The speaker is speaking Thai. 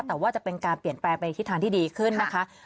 แต่ว่าจะเป็นการเปลี่ยนแปลงไปทิศทางที่ดีขึ้นนะคะ